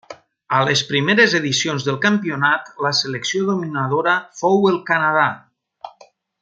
A les primeres edicions del campionat la selecció dominadora fou el Canadà.